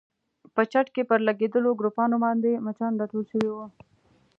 په چت کې پر لګېدلو ګروپانو باندې مچان راټول شوي ول.